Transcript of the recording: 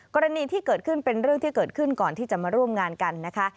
กรณีที่เกิดขึ้นเป็นเรื่องที่เกิดขึ้นก่อนที่จะมาร่วมงานกันนะคะ